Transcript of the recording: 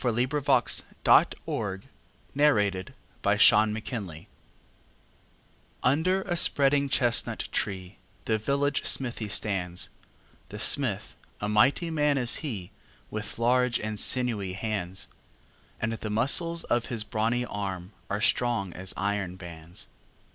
The Village Blacksmith UNDER a spreading chestnut tree The village smithy stands; The smith, a mighty man is he, With large and sinewy hands; And the muscles of his brawny arm Are strong as iron bands.